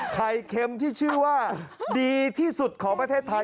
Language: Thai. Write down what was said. เค็มที่ชื่อว่าดีที่สุดของประเทศไทย